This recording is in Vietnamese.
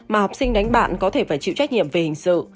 mà học sinh đánh bạn có thể phải chịu trách nhiệm về hình sự